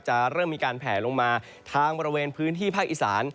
เริ่มมีการแผลลงมาทางบริเวณพื้นที่ภาคอีสาน